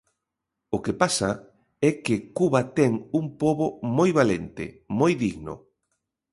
O que pasa é que Cuba ten un pobo moi valente, moi digno.